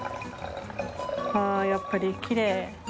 あやっぱりきれい。